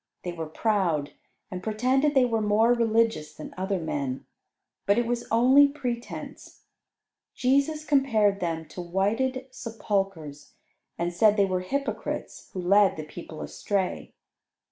They were proud, and pretended they were more religious than other men, but it was only pretense. Jesus compared them to whited sepulchres, and said they were hypocrites, who led the people astray.